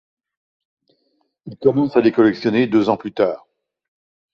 Il commence à les collectionner deux ans plus tard.